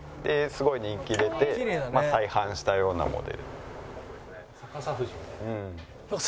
すごい人気出て再販したようなモデル。